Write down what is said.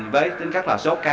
với tính cách là sốc